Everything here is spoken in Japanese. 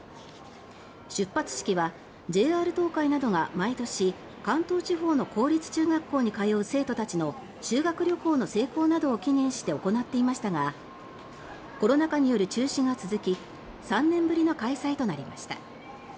出発式はＪＲ東海などが毎年関東地方の公立中学校に通う生徒たちの修学旅行の成功などを祈念して行っていましたがコロナ禍による中止が続き３年ぶりの開催となりました。